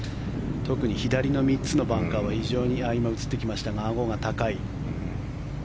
特に左の３つのバンカーは今、映ってきましたがあごが高い。